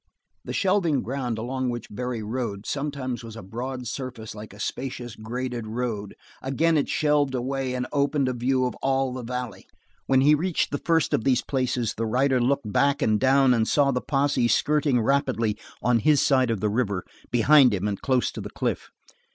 The shelving ground along which Barry rode sometimes was a broad surface like a spacious, graded road; again it shelved away and opened a view of all the valley. When he reached the first of these places the rider looked back and down and saw the posse skirting rapidly on his side of the river, behind him and close to the cliff.